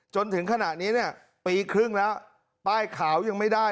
จนถึงขณะนี้เนี่ยปีครึ่งแล้วป้ายขาวยังไม่ได้